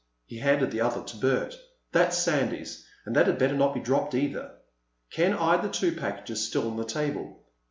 He handed the other to Bert. "That's Sandy's—and that had better not be dropped either." Ken eyed the two packages still on the table.